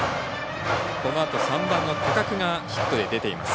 このあと、３番の高久がヒットで出ています。